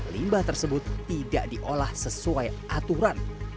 limbah tersebut tidak diolah sesuai aturan